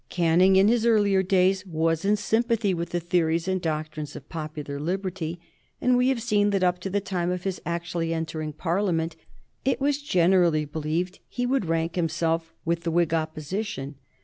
Canning in his earlier days was in sympathy with the theories and doctrines of popular liberty, and we have seen that up to the time of his actually entering Parliament it was generally believed he would rank himself with the Whig Opposition.